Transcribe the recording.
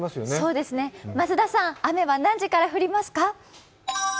そうですね、増田さん、雨は何時から降りますか？